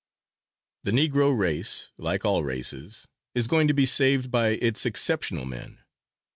] The Negro race, like all races, is going to be saved by its exceptional men.